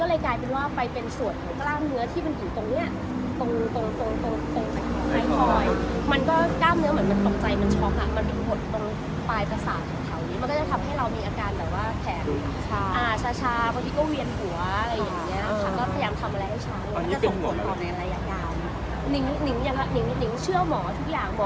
อันนี้ความเงินตัวเนี่ยกี่เปอร์เซ็นต์แล้วคะความเงินแรก